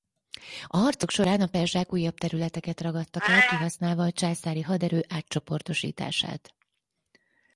A harcok során a perzsák újabb területeket ragadtak el kihasználva a császári haderő átcsoportosítását.